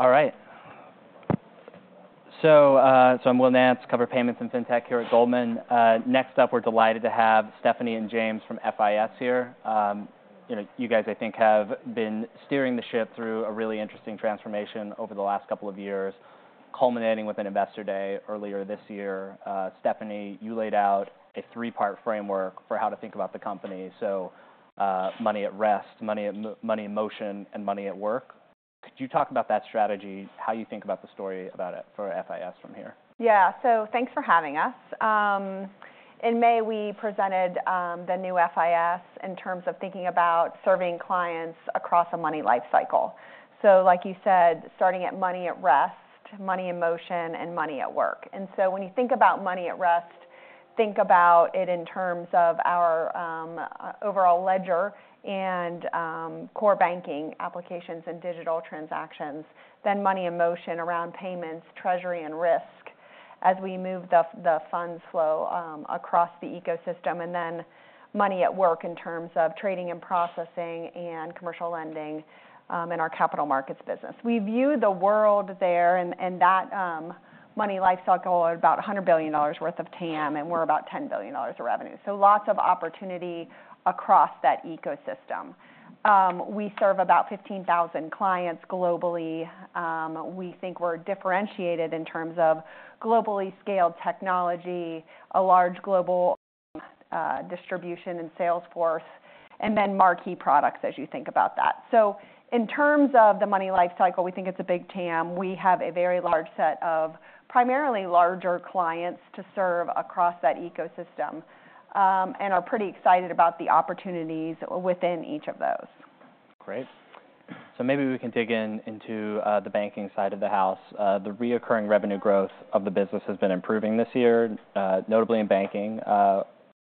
All right. So, I'm Will Nance, cover payments and fintech here at Goldman. Next up, we're delighted to have Stephanie and James from FIS here. You know, you guys, I think, have been steering the ship through a really interesting transformation over the last couple of years, culminating with an investor day earlier this year. Stephanie, you laid out a three-part framework for how to think about the company. So, money at rest, money in motion, and money at work. Could you talk about that strategy, how you think about the story about it for FIS from here? Yeah. So thanks for having us. In May, we presented the new FIS in terms of thinking about serving clients across a money life cycle. So like you said, starting at money at rest, money in motion, and money at work. And so when you think about money at rest, think about it in terms of our overall ledger and core banking applications and digital transactions. Then money in motion around payments, treasury, and risk as we move the funds flow across the ecosystem, and then money at work in terms of trading and processing and commercial lending in our capital markets business. We view the world there, and that money life cycle at about $100 billion worth of TAM, and we're about $10 billion of revenue. So lots of opportunity across that ecosystem. We serve about 15,000 clients globally. We think we're differentiated in terms of globally scaled technology, a large global distribution and sales force, and then marquee products as you think about that. So in terms of the money life cycle, we think it's a big TAM. We have a very large set of primarily larger clients to serve across that ecosystem, and are pretty excited about the opportunities within each of those. Great. So maybe we can dig into the banking side of the house. The recurring revenue growth of the business has been improving this year, notably in banking.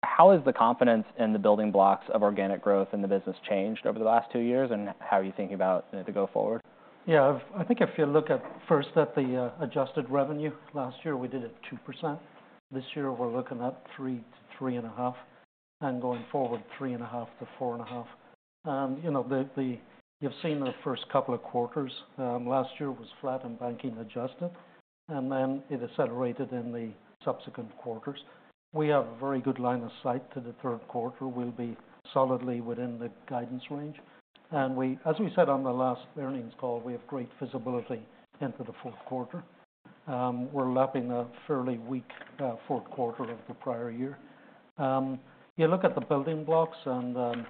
How has the confidence in the building blocks of organic growth in the business changed over the last two years, and how are you thinking about it to go forward? Yeah, I think if you look first at the adjusted revenue, last year we did 2%. This year, we're looking at 3%-3.5%, and going forward, 3.5%-4.5%. You know, you've seen the first couple of quarters. Last year was flat, and banking adjusted, and then it accelerated in the subsequent quarters. We have a very good line of sight to the third quarter. We'll be solidly within the guidance range. And, as we said on the last earnings call, we have great visibility into the fourth quarter. We're lapping a fairly weak fourth quarter of the prior year. You look at the building blocks and,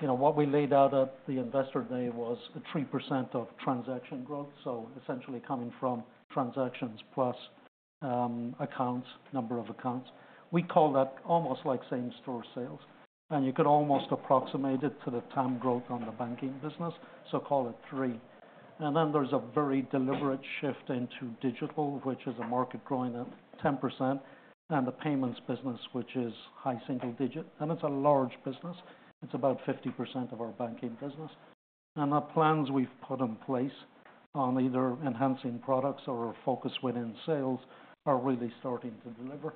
you know, what we laid out at the Investor Day was a 3% of transaction growth, so essentially coming from transactions plus, accounts, number of accounts. We call that almost like same-store sales, and you could almost approximate it to the TAM growth on the banking business, so call it three. And then there's a very deliberate shift into digital, which is a market growing at 10%, and the payments business, which is high single digit, and it's a large business. It's about 50% of our banking business. And the plans we've put in place on either enhancing products or focus within sales are really starting to deliver.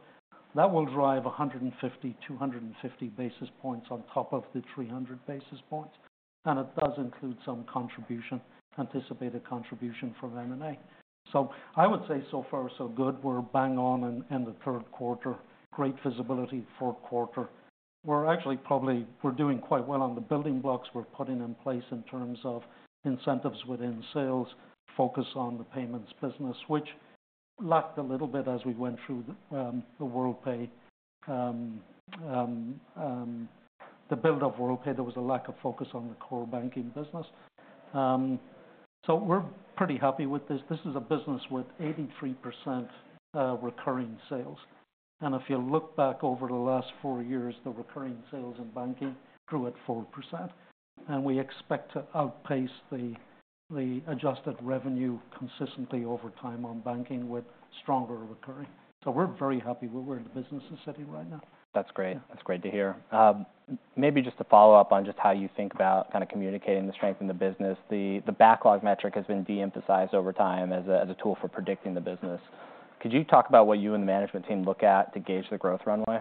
That will drive a hundred and fifty, two hundred and fifty basis points on top of the three hundred basis points, and it does include some contribution, anticipated contribution from M&A. So I would say, so far, so good. We're bang on in the third quarter. Great visibility, fourth quarter. We're actually probably we're doing quite well on the building blocks we're putting in place in terms of incentives within sales, focus on the payments business, which lacked a little bit as we went through the Worldpay, the build of Worldpay. There was a lack of focus on the core banking business. So we're pretty happy with this. This is a business with 83% recurring sales. If you look back over the last four years, the recurring sales in banking grew at 4%, and we expect to outpace the adjusted revenue consistently over time on banking with stronger recurring. We're very happy where we're the business is sitting right now. That's great. That's great to hear. Maybe just to follow up on just how you think about kind of communicating the strength in the business. The backlog metric has been de-emphasized over time as a tool for predicting the business. Could you talk about what you and the management team look at to gauge the growth runway?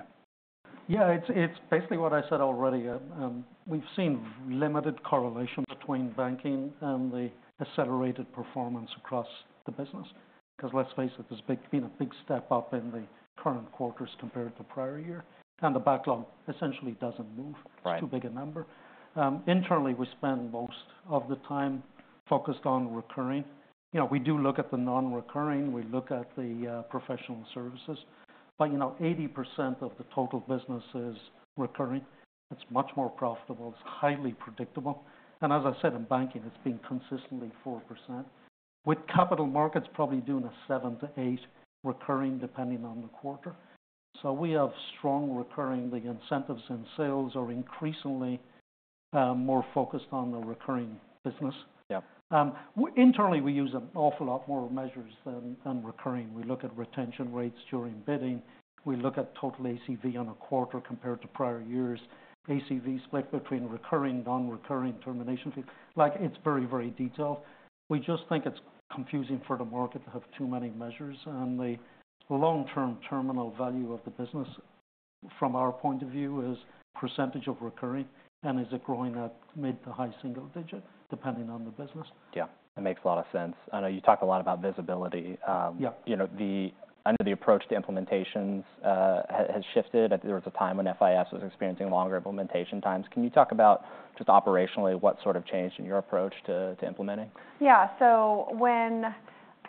Yeah, it's basically what I said already. We've seen limited correlation between banking and the accelerated performance across the business, because let's face it, there's been a big step up in the current quarters compared to prior year, and the backlog essentially doesn't move- Right. It's too big a number. Internally, we spend most of the time focused on recurring. You know, we do look at the non-recurring, we look at the professional services, but, you know, 80% of the total business is recurring. It's much more profitable, it's highly predictable, and as I said, in banking, it's been consistently 4%, with capital markets probably doing a 7%-8% recurring, depending on the quarter. So we have strong recurring. The incentives in sales are increasingly more focused on the recurring business. Yeah. Internally, we use an awful lot more measures than recurring. We look at retention rates during bidding, we look at total ACV on a quarter compared to prior years' ACV split between recurring, non-recurring, termination fee. Like, it's very, very detailed. We just think it's confusing for the market to have too many measures, and the long-term terminal value of the business from our point of view is percentage of recurring, and is it growing at mid- to high-single-digit, depending on the business? Yeah, it makes a lot of sense. I know you talk a lot about visibility. Yeah. You know, the approach to implementations has shifted. There was a time when FIS was experiencing longer implementation times. Can you talk about, just operationally, what sort of changed in your approach to implementing? Yeah. So when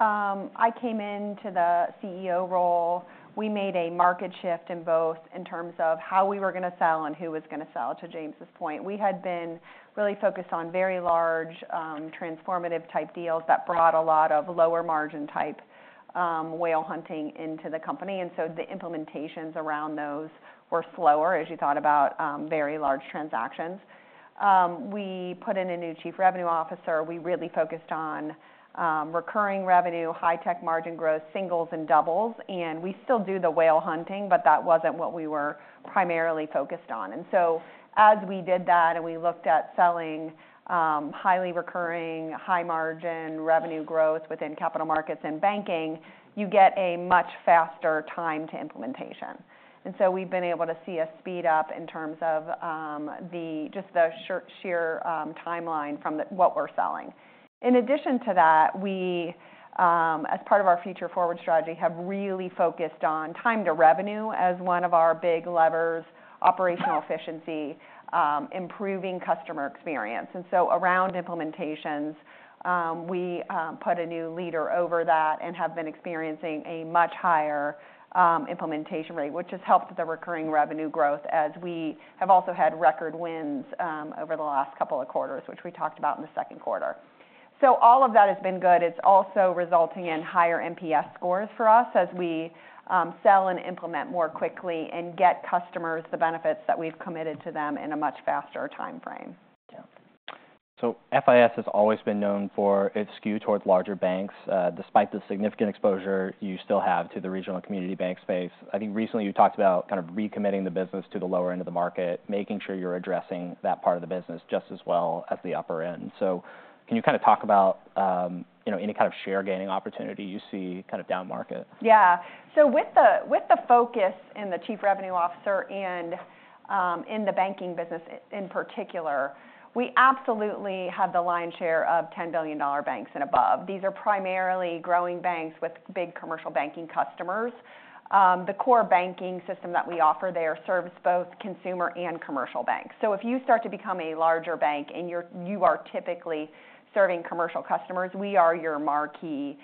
I came into the CEO role, we made a market shift in both in terms of how we were gonna sell and who was gonna sell, to James's point. We had been really focused on very large, transformative type deals that brought a lot of lower margin type, whale hunting into the company, and so the implementations around those were slower as you thought about, very large transactions. We put in a new chief revenue officer. We really focused on, recurring revenue, high tech margin growth, singles and doubles, and we still do the whale hunting, but that wasn't what we were primarily focused on. And so as we did that, and we looked at selling, highly recurring, high margin revenue growth within capital markets and banking, you get a much faster time to implementation. And so we've been able to see a speed up in terms of the sheer timeline from what we're selling. In addition to that, we, as part of our Future Forward strategy, have really focused on time to revenue as one of our big levers, operational efficiency, improving customer experience. And so around implementations, we put a new leader over that and have been experiencing a much higher implementation rate, which has helped with the recurring revenue growth as we have also had record wins over the last couple of quarters, which we talked about in the second quarter. So all of that has been good. It's also resulting in higher NPS scores for us as we sell and implement more quickly and get customers the benefits that we've committed to them in a much faster timeframe. Yeah. So FIS has always been known for its skew towards larger banks. Despite the significant exposure you still have to the regional community bank space, I think recently you talked about kind of recommitting the business to the lower end of the market, making sure you're addressing that part of the business just as well as the upper end. So can you kind of talk about, you know, any kind of share gaining opportunity you see kind of down market? Yeah. So with the, with the focus and the chief revenue officer and, in the banking business in particular, we absolutely have the lion's share of $10 billion banks and above. These are primarily growing banks with big commercial banking customers. The core banking system that we offer there serves both consumer and commercial banks. So if you start to become a larger bank and you're typically serving commercial customers, we are your marquee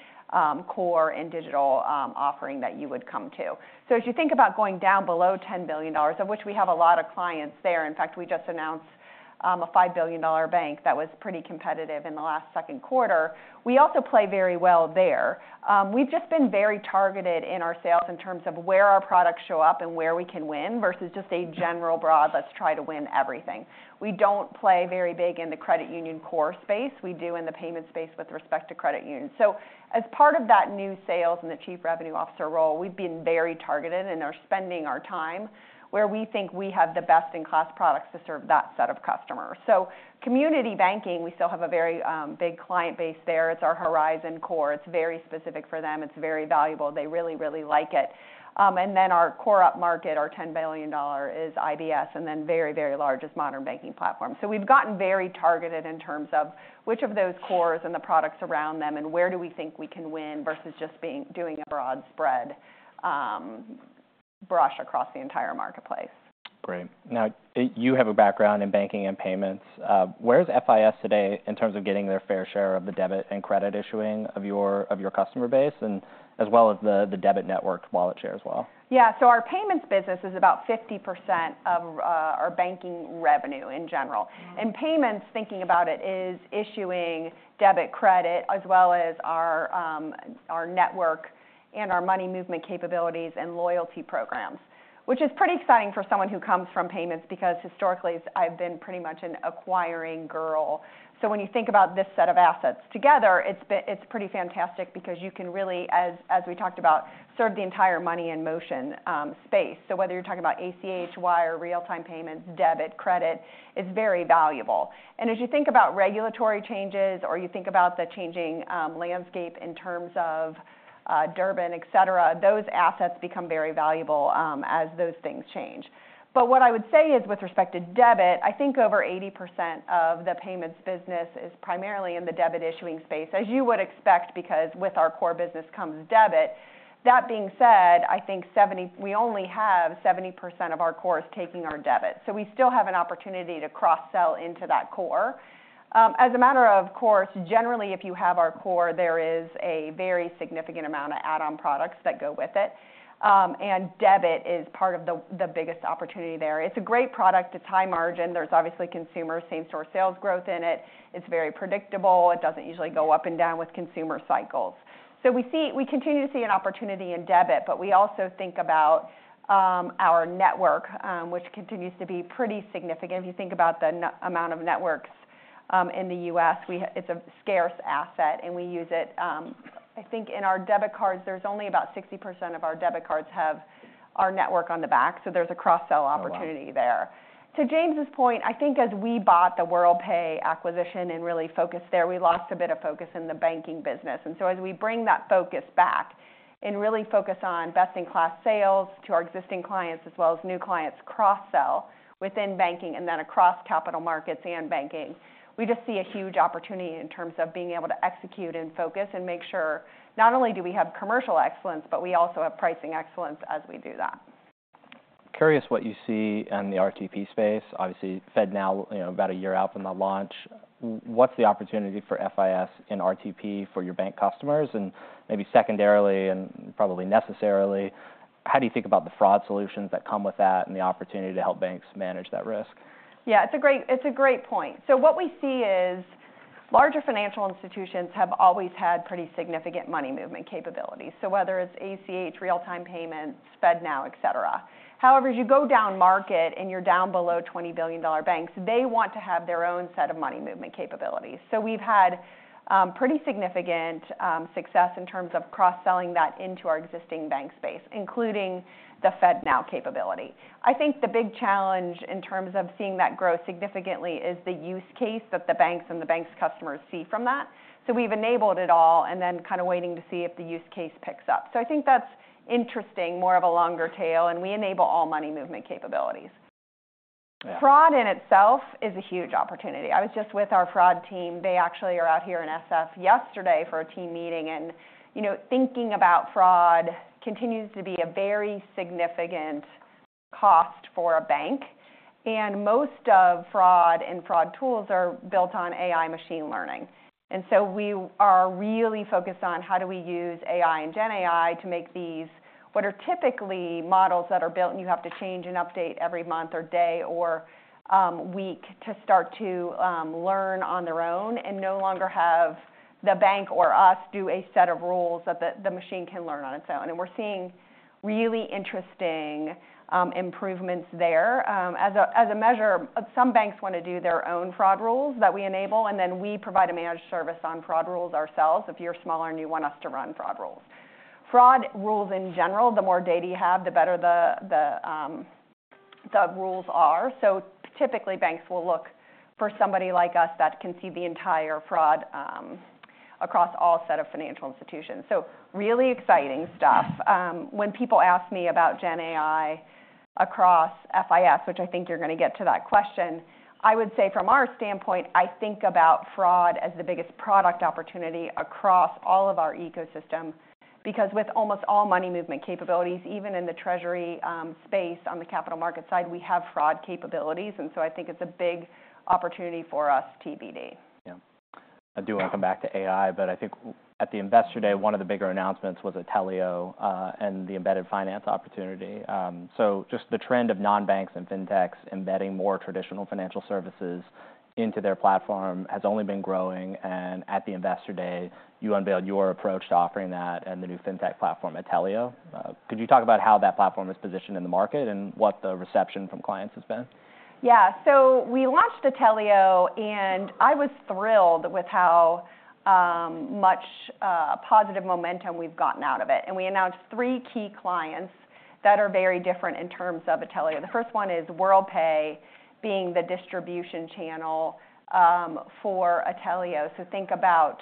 core and digital offering that you would come to. So as you think about going down below $10 billion, of which we have a lot of clients there, in fact, we just announced a $5 billion bank that was pretty competitive in the last second quarter, we also play very well there. We've just been very targeted in our sales in terms of where our products show up and where we can win versus just a general broad, let's try to win everything. We don't play very big in the credit union core space. We do in the payment space with respect to credit unions. So as part of that new sales and the chief revenue officer role, we've been very targeted and are spending our time where we think we have the best-in-class products to serve that set of customers. So community banking, we still have a very big client base there. It's our Horizon core. It's very specific for them. It's very valuable. They really, really like it. And then our core upmarket, our $10 billion, is IBS, and then very, very large is Modern Banking Platform. So we've gotten very targeted in terms of which of those cores and the products around them, and where do we think we can win versus just being, doing a broad brush across the entire marketplace. Great. Now, you have a background in banking and payments. Where's FIS today in terms of getting their fair share of the debit and credit issuing of your customer base, and as well as the debit network wallet share as well? Yeah. So our payments business is about 50% of our banking revenue in general. And payments, thinking about it, is issuing debit, credit, as well as our network and our money movement capabilities and loyalty programs, which is pretty exciting for someone who comes from payments, because historically, I've been pretty much an acquiring girl. So when you think about this set of assets together, it's pretty fantastic because you can really, as we talked about, serve the entire money in motion space. So whether you're talking about ACH, wire, real-time payments, debit, credit, it's very valuable. And as you think about regulatory changes or you think about the changing landscape in terms of Durbin, et cetera, those assets become very valuable as those things change. But what I would say is, with respect to debit, I think over 80% of the payments business is primarily in the debit issuing space, as you would expect, because with our core business comes debit. That being said, I think 70%—we only have 70% of our cores taking our debit, so we still have an opportunity to cross-sell into that core. As a matter of course, generally, if you have our core, there is a very significant amount of add-on products that go with it. And debit is part of the biggest opportunity there. It's a great product. It's high margin. There's obviously consumer same-store sales growth in it. It's very predictable. It doesn't usually go up and down with consumer cycles. So we see, we continue to see an opportunity in debit, but we also think about our network, which continues to be pretty significant. If you think about the number of networks in the U.S., we have. It's a scarce asset, and we use it. I think in our debit cards, there's only about 60% of our debit cards have our network on the back, so there's a cross-sell opportunity there. Oh, wow. To James's point, I think as we bought the Worldpay acquisition and really focused there, we lost a bit of focus in the banking business. And so as we bring that focus back and really focus on best-in-class sales to our existing clients as well as new clients, cross-sell within banking and then across capital markets and banking. We just see a huge opportunity in terms of being able to execute and focus and make sure not only do we have commercial excellence, but we also have pricing excellence as we do that. Curious what you see in the RTP space. Obviously, FedNow, you know, about a year out from the launch. What's the opportunity for FIS in RTP for your bank customers? And maybe secondarily, and probably necessarily, how do you think about the fraud solutions that come with that and the opportunity to help banks manage that risk? Yeah, it's a great, it's a great point. So what we see is larger financial institutions have always had pretty significant money movement capabilities. So whether it's ACH, real-time payments, FedNow, et cetera. However, as you go down market and you're down below $20 billion banks, they want to have their own set of money movement capabilities. So we've had pretty significant success in terms of cross-selling that into our existing bank space, including the FedNow capability. I think the big challenge in terms of seeing that grow significantly is the use case that the banks and the banks' customers see from that. So we've enabled it all, and then kind of waiting to see if the use case picks up. So I think that's interesting, more of a longer tail, and we enable all money movement capabilities. Yeah. Fraud in itself is a huge opportunity. I was just with our fraud team. They actually are out here in SF yesterday for a team meeting, and, you know, thinking about fraud continues to be a very significant cost for a bank, and most of fraud and fraud tools are built on AI machine learning. And so we are really focused on how do we use AI and GenAI to make these, what are typically models that are built, and you have to change and update every month or day or week to start to learn on their own and no longer have the bank or us do a set of rules that the machine can learn on its own. And we're seeing really interesting improvements there. As a measure, some banks want to do their own fraud rules that we enable, and then we provide a managed service on fraud rules ourselves if you're smaller and you want us to run fraud rules. Fraud rules, in general, the more data you have, the better the rules are. So typically, banks will look for somebody like us that can see the entire fraud across all sets of financial institutions. So really exciting stuff. When people ask me about GenAI across FIS, which I think you're going to get to that question, I would say from our standpoint, I think about fraud as the biggest product opportunity across all of our ecosystem, because with almost all money movement capabilities, even in the treasury space, on the capital market side, we have fraud capabilities, and so I think it's a big opportunity for us TBD. Yeah. I do want to come back to AI, but I think at the Investor Day, one of the bigger announcements was Atelio and the embedded finance opportunity. So just the trend of non-banks and fintechs embedding more traditional financial services into their platform has only been growing, and at the Investor Day, you unveiled your approach to offering that and the new fintech platform, Atelio. Could you talk about how that platform is positioned in the market and what the reception from clients has been? Yeah. So we launched Atelio, and I was thrilled with how much positive momentum we've gotten out of it. And we announced three key clients that are very different in terms of Atelio. The first one is Worldpay, being the distribution channel for Atelio. So think about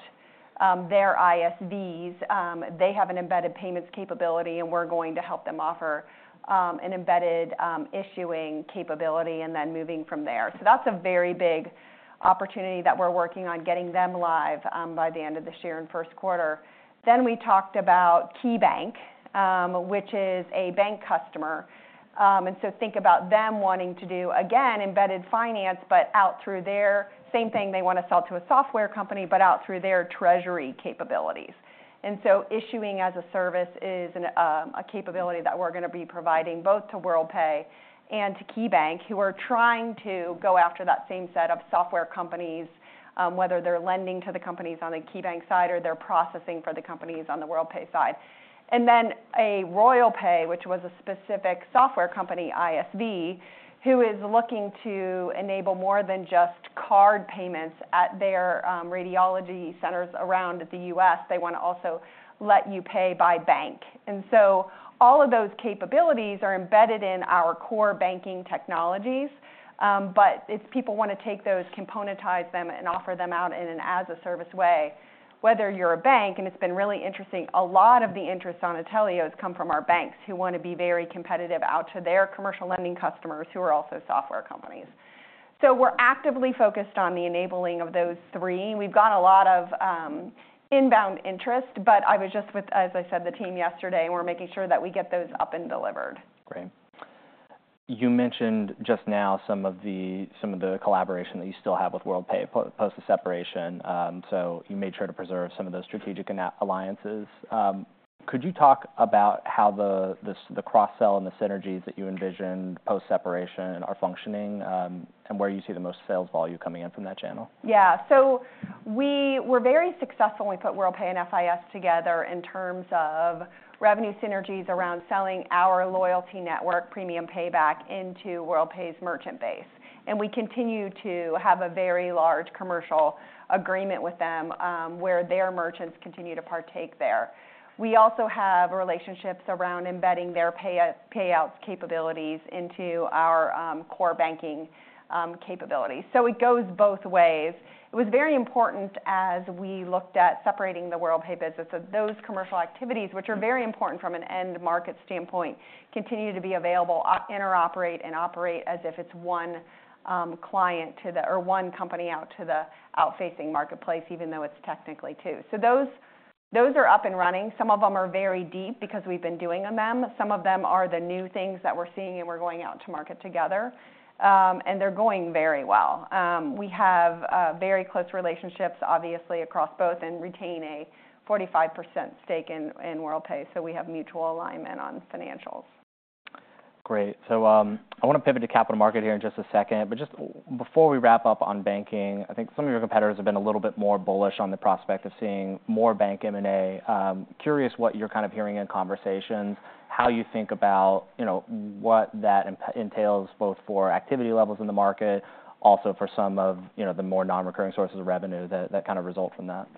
their ISVs. They have an embedded payments capability, and we're going to help them offer an embedded issuing capability and then moving from there. So that's a very big opportunity that we're working on getting them live by the end of this year and first quarter. Then we talked about KeyBank, which is a bank customer. And so think about them wanting to do, again, embedded finance, but out through their... Same thing, they want to sell to a software company, but out through their treasury capabilities. Issuing as a service is a capability that we're going to be providing both to Worldpay and to KeyBank, who are trying to go after that same set of software companies, whether they're lending to the companies on the KeyBank side or they're processing for the companies on the Worldpay side. Royal Pay, which was a specific software company, ISV, who is looking to enable more than just card payments at their radiology centers around the U.S. They want to also let you pay by bank. All of those capabilities are embedded in our core banking technologies, but if people want to take those, componentize them, and offer them out in an as-a-service way, whether you're a bank... It's been really interesting. A lot of the interest on Atelio has come from our banks, who want to be very competitive out to their commercial lending customers, who are also software companies, so we're actively focused on the enabling of those three. We've got a lot of inbound interest, but I was just with, as I said, the team yesterday, and we're making sure that we get those up and delivered. Great. You mentioned just now some of the collaboration that you still have with Worldpay post the separation, so you made sure to preserve some of those strategic alliances. Could you talk about how the cross-sell and the synergies that you envisioned post-separation are functioning, and where you see the most sales volume coming in from that channel? Yeah. So we were very successful when we put Worldpay and FIS together in terms of revenue synergies around selling our loyalty network, Premium Payback, into Worldpay's merchant base. And we continue to have a very large commercial agreement with them, where their merchants continue to partake there. We also have relationships around embedding their payouts capabilities into our core banking capabilities. So it goes both ways. It was very important as we looked at separating the Worldpay business, that those commercial activities, which are very important from an end market standpoint, continue to be available, interoperate and operate as if it's one client to the or one company out to the out-facing marketplace, even though it's technically two. So those are up and running. Some of them are very deep because we've been doing them. Some of them are the new things that we're seeing, and we're going out to market together, and they're going very well. We have very close relationships, obviously, across both, and retain a 45% stake in Worldpay, so we have mutual alignment on financials. Great. So, I want to pivot to capital market here in just a second, but just before we wrap up on banking, I think some of your competitors have been a little bit more bullish on the prospect of seeing more bank M&A. Curious what you're kind of hearing in conversations, how you think about, you know, what that impact entails, both for activity levels in the market, also for some of, you know, the more non-recurring sources of revenue that, that kind of result from that?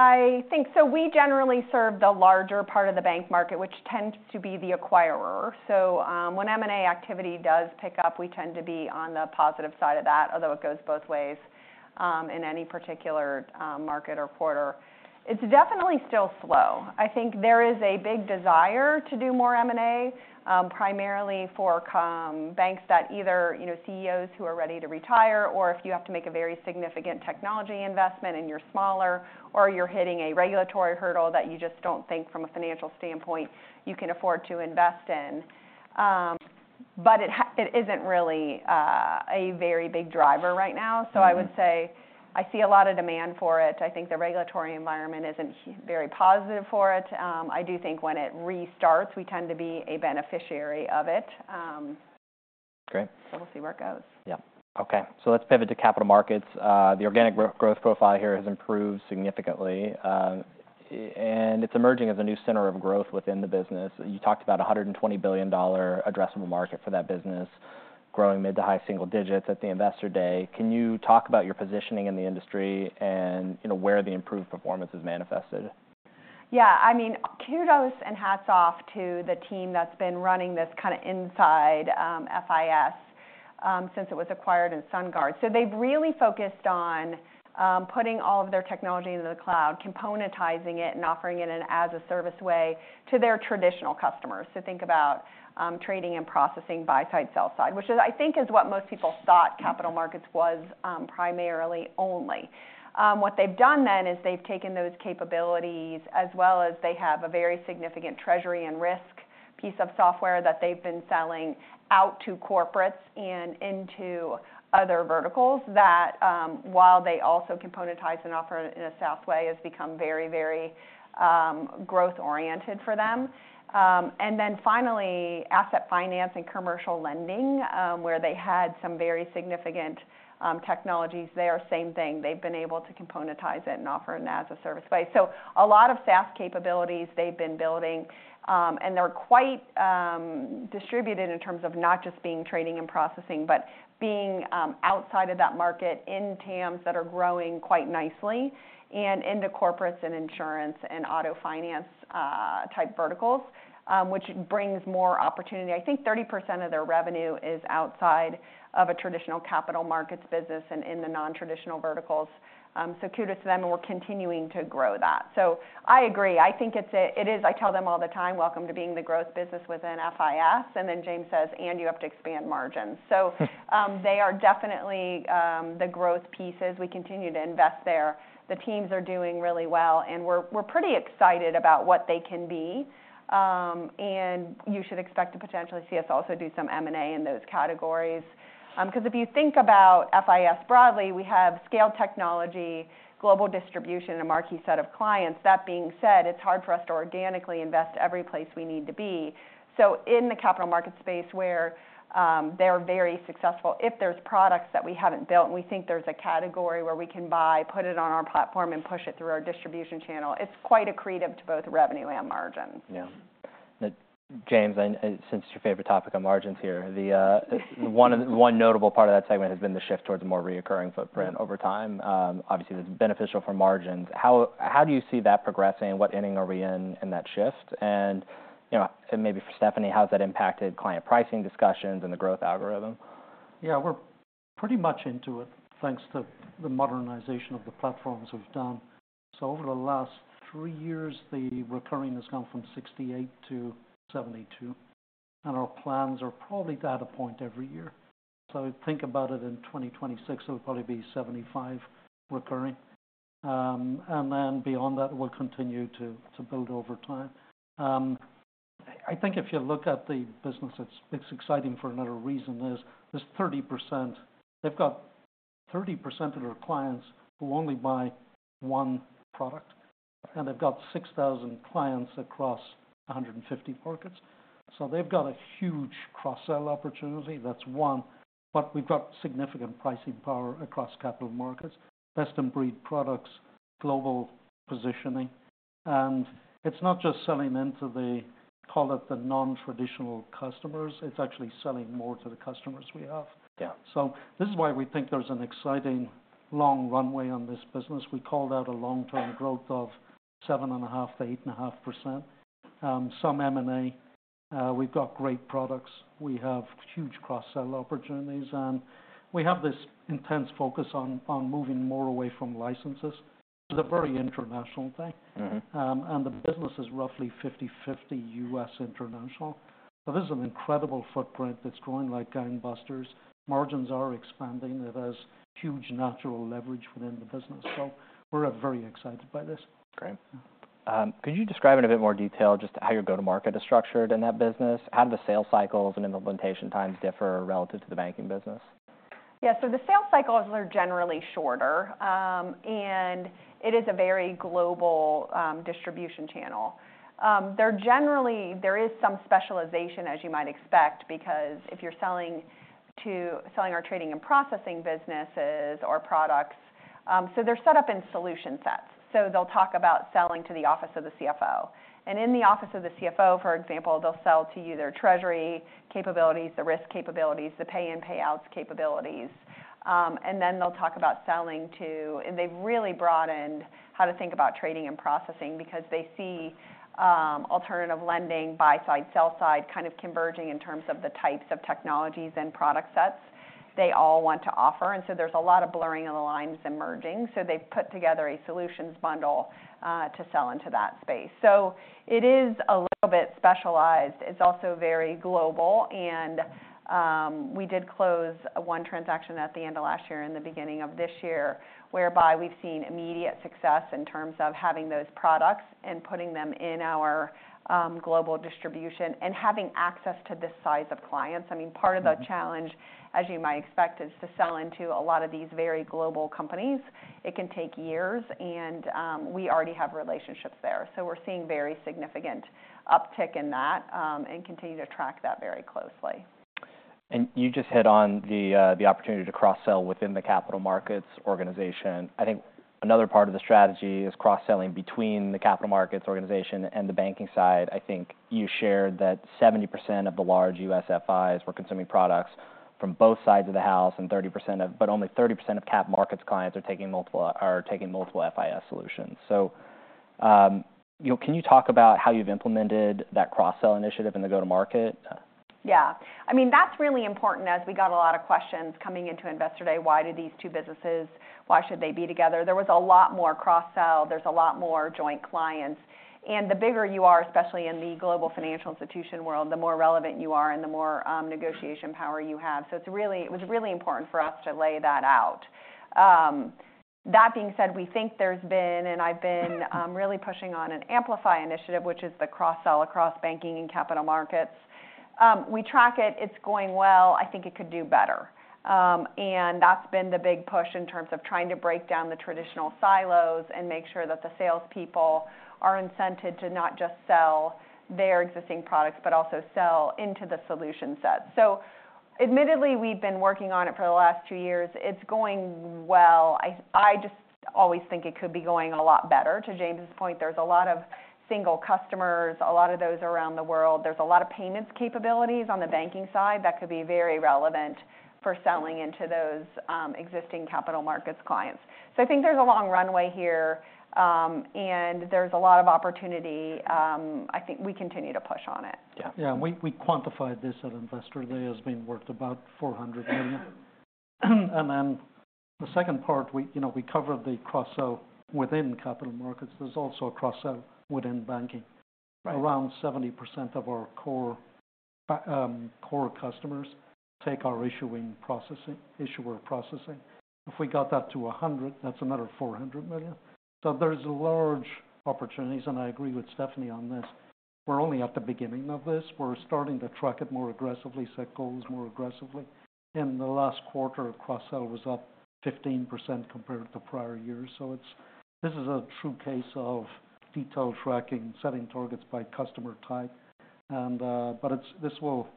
Yeah. I think so we generally serve the larger part of the bank market, which tends to be the acquirer. So when M&A activity does pick up, we tend to be on the positive side of that, although it goes both ways in any particular market or quarter. It's definitely still slow. I think there is a big desire to do more M&A primarily for community banks that either, you know, CEOs who are ready to retire or if you have to make a very significant technology investment and you're smaller, or you're hitting a regulatory hurdle that you just don't think from a financial standpoint you can afford to invest in, but it isn't really a very big driver right now. Mm-hmm. So I would say I see a lot of demand for it. I think the regulatory environment isn't very positive for it. I do think when it restarts, we tend to be a beneficiary of it. Great. So we'll see where it goes. Yeah. Okay, so let's pivot to capital markets. The organic growth profile here has improved significantly, and it's emerging as a new center of growth within the business. You talked about a $120 billion addressable market for that business, growing mid- to high-single digits at the Investor Day. Can you talk about your positioning in the industry and, you know, where the improved performance is manifested? Yeah. I mean, kudos and hats off to the team that's been running this kind of inside, FIS, since it was acquired in SunGard. So they've really focused on putting all of their technology into the cloud, componentizing it, and offering it in as a service way to their traditional customers. So think about trading and processing, buy side, sell side, which is, I think, is what most people thought capital markets was primarily only. What they've done then is they've taken those capabilities, as well as they have a very significant treasury and risk piece of software that they've been selling out to corporates and into other verticals that, while they also componentize and offer in a SaaS way, has become very, very growth-oriented for them. And then finally, asset finance and commercial lending, where they had some very significant technologies there. Same thing. They've been able to componentize it and offer it as a service way. So a lot of SaaS capabilities they've been building, and they're quite distributed in terms of not just being trading and processing, but being outside of that market in TAMs that are growing quite nicely and into corporates and insurance and auto finance type verticals, which brings more opportunity. I think 30% of their revenue is outside of a traditional capital markets business and in the non-traditional verticals. So kudos to them, and we're continuing to grow that. So I agree. I think it is. I tell them all the time, "Welcome to being the growth business within FIS," and then James says, "And you have to expand margins," so they are definitely the growth pieces. We continue to invest there. The teams are doing really well, and we're pretty excited about what they can be, and you should expect to potentially see us also do some M&A in those categories, because if you think about FIS broadly, we have scale technology, global distribution, and a marquee set of clients. That being said, it's hard for us to organically invest every place we need to be. In the capital market space, where they're very successful, if there's products that we haven't built, and we think there's a category where we can buy, put it on our platform, and push it through our distribution channel, it's quite accretive to both revenue and margins. Yeah. James, and since it's your favorite topic on margins here, one notable part of that segment has been the shift towards a more recurring footprint over time. Obviously, that's beneficial for margins. How do you see that progressing? What inning are we in in that shift? And, you know, maybe for Stephanie, how has that impacted client pricing discussions and the growth algorithm? Yeah, we're pretty much into it, thanks to the modernization of the platforms we've done. So over the last three years, the recurring has gone from 68 to 72, and our plans are probably to add a point every year. So think about it, in 2026, it'll probably be 75 recurring. And then beyond that, we'll continue to build over time. I think if you look at the business, it's exciting for another reason, is this 30%. They've got 30% of their clients who only buy one product, and they've got 6,000 clients across 150 markets. So they've got a huge cross-sell opportunity. That's one. But we've got significant pricing power across capital markets, best-in-breed products, global positioning. And it's not just selling into the, call it, the non-traditional customers, it's actually selling more to the customers we have. Yeah. So this is why we think there's an exciting long runway on this business. We called out a long-term growth of 7.5%-8.5%, some M&A. We've got great products. We have huge cross-sell opportunities, and we have this intense focus on moving more away from licenses. It's a very international thing. Mm-hmm. And the business is roughly 50/50 U.S. international. So this is an incredible footprint that's growing like gangbusters. Margins are expanding. It has huge natural leverage within the business, so we're very excited by this. Great. Could you describe in a bit more detail just how your go-to-market is structured in that business? How do the sales cycles and implementation times differ relative to the banking business? Yeah. So the sales cycles are generally shorter, and it is a very global distribution channel. They're generally. There is some specialization, as you might expect, because if you're selling our trading and processing businesses or products, so they're set up in solution sets. So they'll talk about selling to the Office of the CFO, and in the office of the CFO, for example, they'll sell to you their treasury capabilities, the risk capabilities, the pay and payouts capabilities, and then they'll talk about selling to, and they've really broadened how to think about trading and processing because they see alternative lending, buy side, sell side, kind of converging in terms of the types of technologies and product sets they all want to offer, and so there's a lot of blurring of the lines and merging. So they've put together a solutions bundle to sell into that space. So it is a little bit specialized. It's also very global, and we did close one transaction at the end of last year and the beginning of this year, whereby we've seen immediate success in terms of having those products and putting them in our global distribution and having access to this size of clients. I mean, part of the challenge, as you might expect, is to sell into a lot of these very global companies. It can take years, and we already have relationships there. So we're seeing very significant uptick in that, and continue to track that very closely. And you just hit on the opportunity to cross-sell within the capital markets organization. I think another part of the strategy is cross-selling between the capital markets organization and the banking side. I think you shared that 70% of the large U.S. FIs were consuming products from both sides of the house, and 30% of- but only 30% of cap markets clients are taking multiple FIS solutions. So, you know, can you talk about how you've implemented that cross-sell initiative in the go-to-market? Yeah. I mean, that's really important as we got a lot of questions coming into Investor Day, why do these two businesses, why should they be together? There was a lot more cross-sell. There's a lot more joint clients. And the bigger you are, especially in the global financial institution world, the more relevant you are and the more negotiation power you have. So it was really important for us to lay that out. That being said, we think there's been, and I've been, really pushing on an Amplify initiative, which is the cross-sell across banking and capital markets. We track it. It's going well. I think it could do better. And that's been the big push in terms of trying to break down the traditional silos and make sure that the salespeople are incented to not just sell their existing products, but also sell into the solution set. So admittedly, we've been working on it for the last two years. It's going well. I just always think it could be going a lot better. To James' point, there's a lot of single customers, a lot of those around the world. There's a lot of payments capabilities on the banking side that could be very relevant for selling into those, existing capital markets clients. So I think there's a long runway here, and there's a lot of opportunity. I think we continue to push on it. Yeah, we quantified this at Investor Day as being worth about $400 million. And then the second part, you know, we covered the cross-sell within capital markets. There's also a cross-sell within banking. Right. Around 70% of our core customers take our issuer processing. If we got that to 100, that's another $400 million. So there's large opportunities, and I agree with Stephanie on this. We're only at the beginning of this. We're starting to track it more aggressively, set goals more aggressively. In the last quarter, cross-sell was up 15% compared to the prior year. So this is a true case of detailed tracking, setting targets by customer type. But this will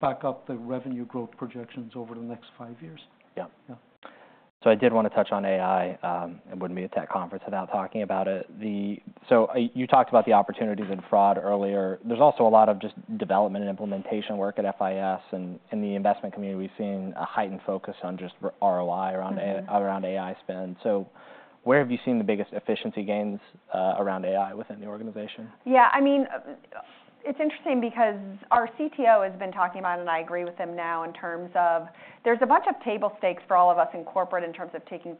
back up the revenue growth projections over the next five years. Yeah. Yeah. So I did want to touch on AI, and wouldn't be at that conference without talking about it. So you talked about the opportunities in fraud earlier. There's also a lot of just development and implementation work at FIS, and in the investment community, we've seen a heightened focus on just ROI around A- Mm-hmm. Around AI spend, so where have you seen the biggest efficiency gains around AI within the organization? Yeah, I mean, it's interesting because our CTO has been talking about it, and I agree with him now in terms of there's a bunch of table stakes for all of us in corporate in terms of taking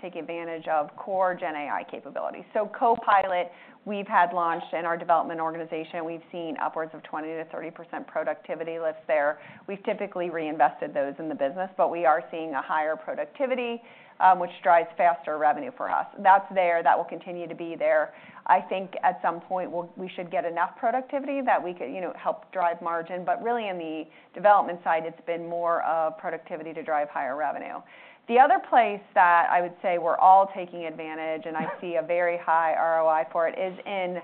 taking advantage of core GenAI capabilities. So Copilot, we've had launched in our development organization. We've seen upwards of 20%-30% productivity lifts there. We've typically reinvested those in the business, but we are seeing a higher productivity, which drives faster revenue for us. That's there. That will continue to be there. I think at some point, we'll- we should get enough productivity that we could, you know, help drive margin. But really, in the development side, it's been more of productivity to drive higher revenue. The other place that I would say we're all taking advantage, and I see a very high ROI for it, is in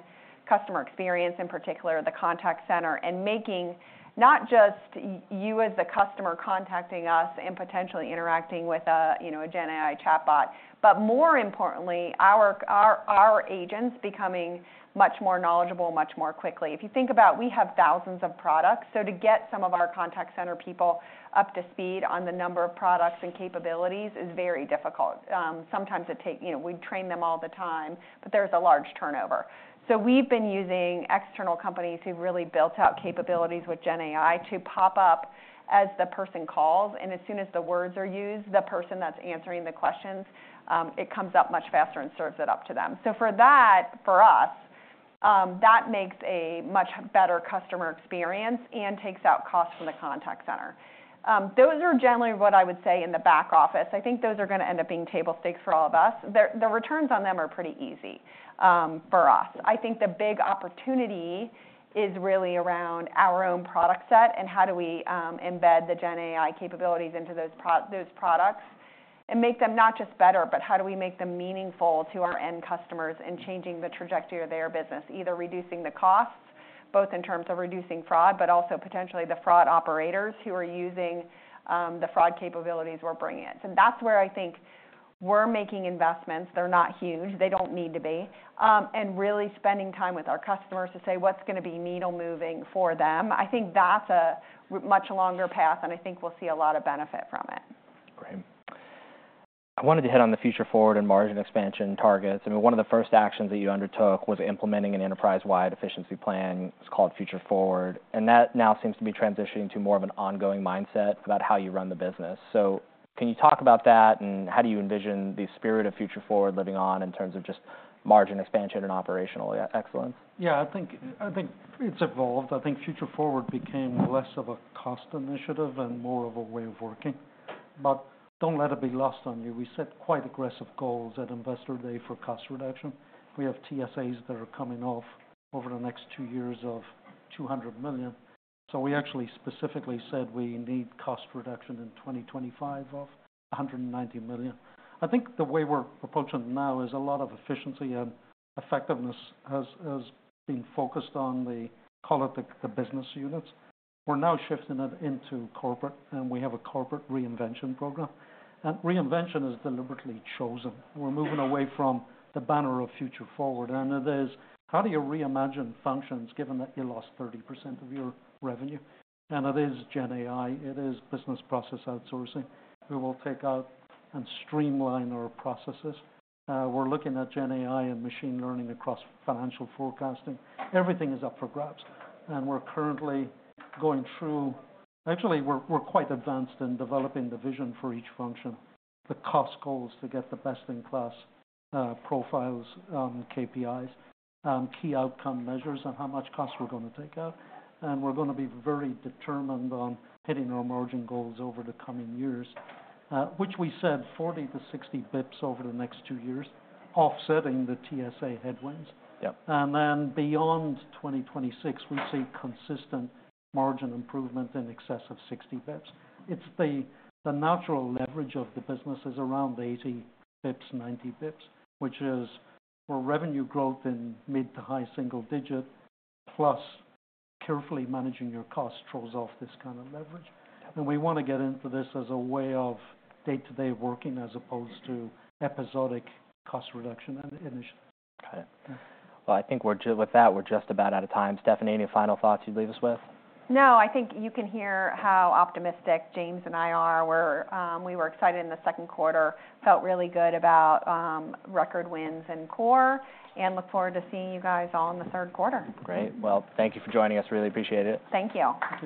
customer experience, in particular the contact center, and making not just you as the customer contacting us and potentially interacting with a, you know, a GenAI chatbot, but more importantly, our agents becoming much more knowledgeable, much more quickly. If you think about we have thousands of products, so to get some of our contact center people up to speed on the number of products and capabilities is very difficult. Sometimes it take, you know, we train them all the time, but there's a large turnover. So we've been using external companies who've really built out capabilities with GenAI to pop up as the person calls, and as soon as the words are used, the person that's answering the questions, it comes up much faster and serves it up to them. So for that, for us, that makes a much better customer experience and takes out costs from the contact center. Those are generally what I would say in the back office. I think those are gonna end up being table stakes for all of us. The returns on them are pretty easy, for us. I think the big opportunity is really around our own product set and how do we embed the GenAI capabilities into those products and make them not just better, but how do we make them meaningful to our end customers in changing the trajectory of their business? Either reducing the costs, both in terms of reducing fraud, but also potentially the fraud operators who are using the fraud capabilities we're bringing in. So that's where I think we're making investments. They're not huge. They don't need to be. And really spending time with our customers to say, what's gonna be needle-moving for them? I think that's a much longer path, and I think we'll see a lot of benefit from it. Great. I wanted to hit on the Future Forward and margin expansion targets. I mean, one of the first actions that you undertook was implementing an enterprise-wide efficiency plan. It's called Future Forward, and that now seems to be transitioning to more of an ongoing mindset about how you run the business. So can you talk about that, and how do you envision the spirit of Future Forward living on in terms of just margin expansion and operational excellence? Yeah, I think, I think it's evolved. I think Future Forward became less of a cost initiative and more of a way of working. But don't let it be lost on you, we set quite aggressive goals at Investor Day for cost reduction. We have TSAs that are coming off over the next two years of $200 million, so we actually specifically said we need cost reduction in 2025 of $190 million. I think the way we're approaching it now is a lot of efficiency and effectiveness has, has been focused on the, call it the, the business units. We're now shifting it into corporate, and we have a corporate reinvention program, and reinvention is deliberately chosen. We're moving away from the banner of Future Forward, and it is, how do you reimagine functions given that you lost 30% of your revenue? It is GenAI, it is business process outsourcing. We will take out and streamline our processes. We're looking at GenAI and machine learning across financial forecasting. Everything is up for grabs, and we're currently going through. Actually, we're quite advanced in developing the vision for each function, the cost goals to get the best-in-class profiles, KPIs, key outcome measures on how much cost we're gonna take out. And we're gonna be very determined on hitting our margin goals over the coming years, which we said 40 to 60 basis points over the next two years, offsetting the TSA headwinds. Yep. Then beyond 2026, we see consistent margin improvement in excess of sixty basis points. It's the natural leverage of the business is around eighty basis points, ninety basis points, which is for revenue growth in mid- to high-single-digit, plus carefully managing your costs throws off this kind of leverage. We want to get into this as a way of day-to-day working, as opposed to episodic cost reduction and initiative. Got it. I think with that, we're just about out of time. Stephanie, any final thoughts you'd leave us with? No. I think you can hear how optimistic James and I are. We're... We were excited in the second quarter, felt really good about, record wins and core, and look forward to seeing you guys all in the third quarter. Great. Well, thank you for joining us. Really appreciate it. Thank you.